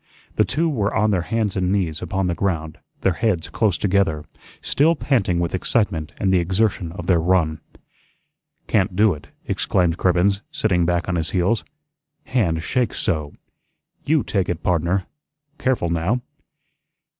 The two were on their hands and knees upon the ground, their heads close together, still panting with excitement and the exertion of their run. "Can't do it," exclaimed Cribbens, sitting back on his heels, "hand shakes so. YOU take it, pardner. Careful, now."